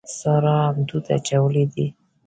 سارا هم دود اچولی دی.